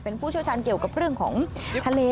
เป็นผู้เชี่ยวชาญเกี่ยวกับเรื่องของทะเล